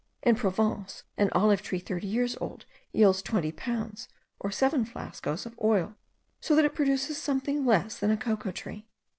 In Provence, an olive tree thirty years old yields twenty pounds, or seven flascos of oil, so that it produces something less than a cocoa tree.